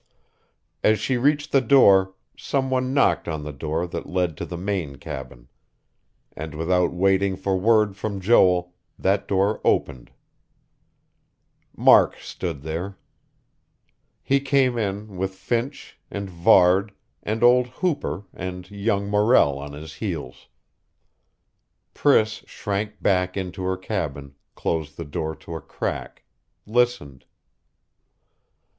As she reached the door, some one knocked on the door that led to the main cabin; and without waiting for word from Joel, that door opened. Mark stood there. He came in, with Finch, and Varde, and old Hooper and young Morrell on his heels.... Priss shrank back into her cabin, closed the door to a crack, listened....